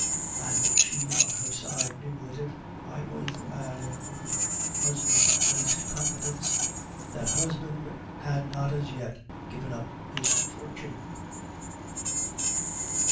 And she on her side knew that if I was the man in whom her husband placed confidence, that husband had not as yet given up his fortune.